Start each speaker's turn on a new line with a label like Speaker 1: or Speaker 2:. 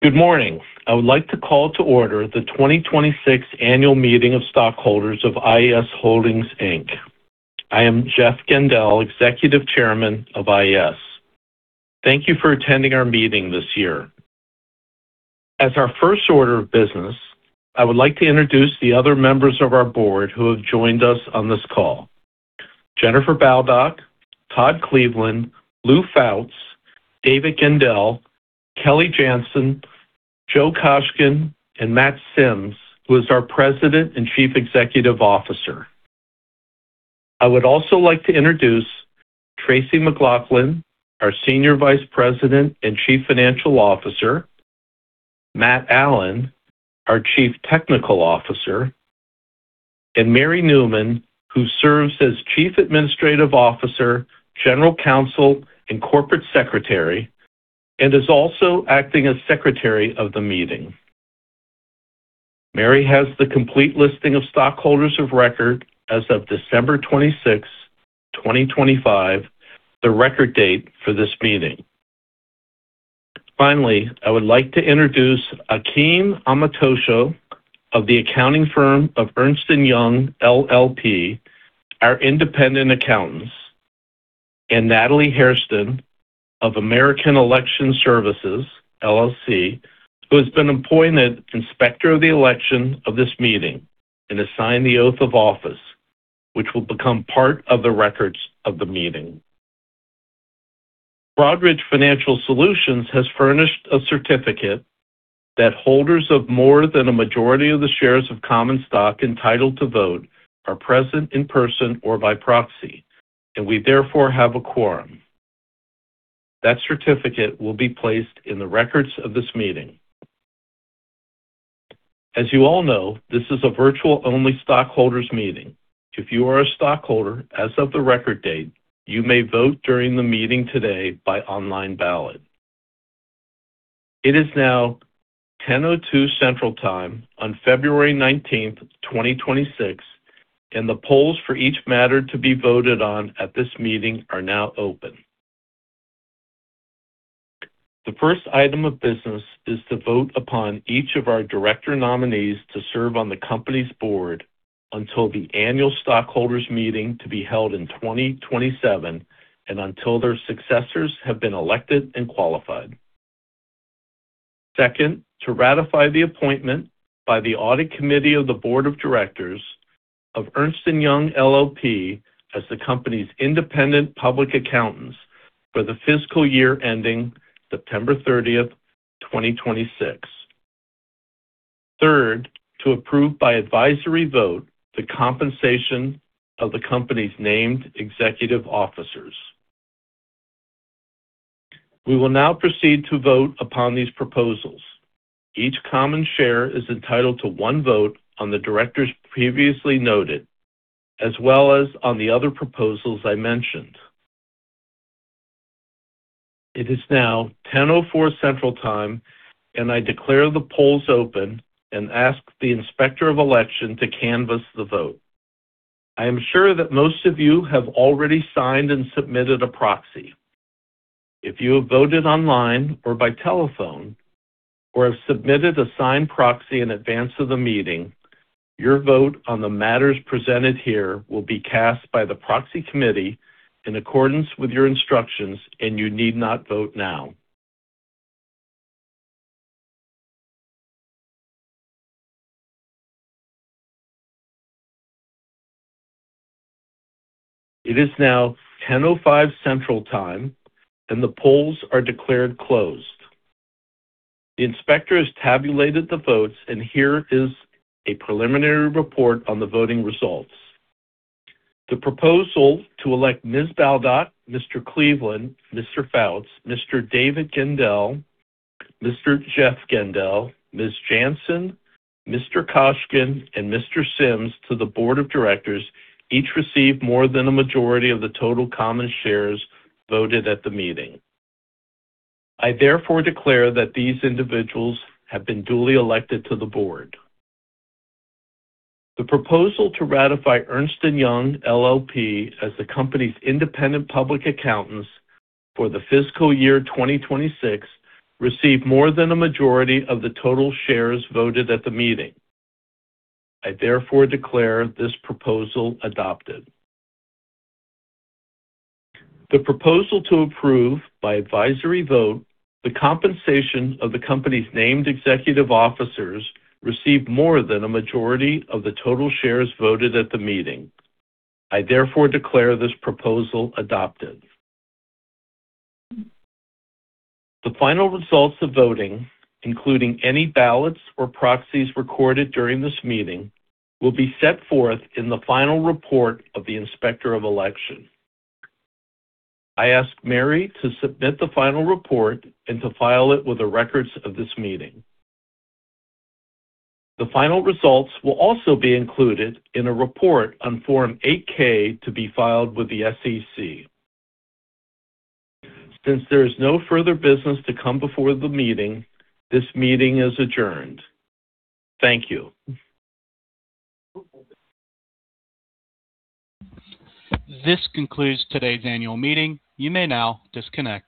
Speaker 1: Good morning. I would like to call to order the 2026 Annual Meeting of Stockholders of IES Holdings, Inc. I am Jeff Gendell, Executive Chairman of IES. Thank you for attending our meeting this year. As our first order of business, I would like to introduce the other members of our board who have joined us on this call. Jennifer Baldock, Todd Cleveland, Lou Fouts, David Gendell, Kelly Janzen, Joe Koshkin, and Matt Simmes, who is our President and Chief Executive Officer. I would also like to introduce Tracy McLauchlin, our Senior Vice President and Chief Financial Officer, Matthew Allen, our Chief Technical Officer, and Mary Newman, who serves as Chief Administrative Officer, General Counsel, and Corporate Secretary, and is also acting as Secretary of the meeting. Mary has the complete listing of stockholders of record as of December 26th, 2025, the record date for this meeting. Finally, I would like to introduce Akinyemi Omotosho of the accounting firm of Ernst & Young, LLP, our independent accountants, and Natalie Hairston of American Election Services, LLC, who has been appointed Inspector of the Election of this meeting and has signed the oath of office, which will become part of the records of the meeting. Broadridge Financial Solutions has furnished a certificate that holders of more than a majority of the shares of common stock entitled to vote are present in person or by proxy, and we therefore have a quorum. That certificate will be placed in the records of this meeting. As you all know, this is a virtual-only stockholders meeting. If you are a stockholder as of the record date, you may vote during the meeting today by online ballot. It is now 10:02 Central Time on February 19th, 2026, and the polls for each matter to be voted on at this meeting are now open. The first item of business is to vote upon each of our director nominees to serve on the company's board until the annual stockholders meeting to be held in 2027 and until their successors have been elected and qualified. Second, to ratify the appointment by the Audit Committee of the Board of Directors of Ernst & Young, LLP, as the company's independent public accountants for the Fiscal Year ending September 30th, 2026. Third, to approve by advisory vote the compensation of the company's named executive officers. We will now proceed to vote upon these proposals. Each common share is entitled to one vote on the directors previously noted, as well as on the other proposals I mentioned. It is now 10:04 A.M. Central Time, and I declare the polls open and ask the Inspector of Election to canvass the vote. I am sure that most of you have already signed and submitted a proxy. If you have voted online or by telephone or have submitted a signed proxy in advance of the meeting, your vote on the matters presented here will be cast by the proxy committee in accordance with your instructions, and you need not vote now. It is now 10:05 A.M. Central Time, and the polls are declared closed. The inspector has tabulated the votes, and here is a preliminary report on the voting results. The proposal to elect Ms. Baldock, Mr. Cleveland, Mr. Fouts, Mr. David Gendell, Mr. Jeff Gendell, Ms. Janzen, Mr. Koshkin, and Mr. Simmes to the board of directors each received more than a majority of the total common shares voted at the meeting. I therefore declare that these individuals have been duly elected to the board. The proposal to ratify Ernst & Young, LLP, as the company's independent public accountants for the fiscal year 2026, received more than a majority of the total shares voted at the meeting. I therefore declare this proposal adopted. The proposal to approve, by advisory vote, the compensation of the company's named executive officers, received more than a majority of the total shares voted at the meeting. I therefore declare this proposal adopted. The final results of voting, including any ballots or proxies recorded during this meeting, will be set forth in the final report of the Inspector of Election. I ask Mary to submit the final report and to file it with the records of this meeting. The final results will also be included in a report on Form 8-K to be filed with the SEC. Since there is no further business to come before the meeting, this meeting is adjourned. Thank you.
Speaker 2: This concludes today's annual meeting. You may now disconnect.